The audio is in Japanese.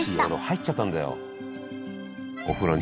入っちゃったんだよお風呂に。